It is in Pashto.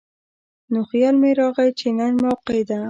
نو خيال مې راغے چې نن موقع ده ـ